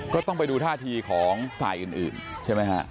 ก็ต้องไปดูท่าทีของฝ่ายอื่นใช่ไหมฮะ